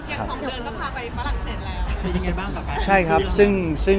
แต่เรียงนี้ก็มาฝากหน่วยเวลาที่พะลังเมน